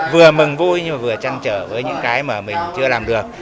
vừa mừng vui nhưng vừa trăn trở với những cái mà mình chưa làm được